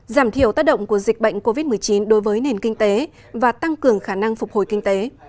giảm thiểu tác động của dịch bệnh covid một mươi chín đối với nền kinh tế và tăng cường khả năng phục hồi kinh tế